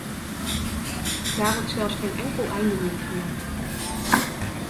Daar wordt zelfs geen enkel einde meer gemaakt.